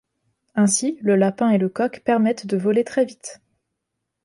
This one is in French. Ainsi, le lapin et le coq permettent de voler très vite.